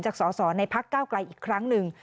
สอสอในพักเก้าไกลอีกครั้งหนึ่ง